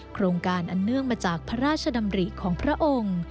โครงการอันเนื่องมาจากพระราชดำริของพระองค์